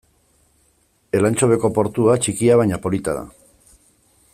Elantxobeko portua txikia baina polita da.